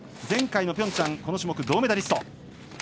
前回のピョンチャン、この種目銅メダリスト。